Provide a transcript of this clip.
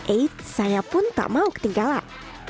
eits saya pun tak mau ketinggalan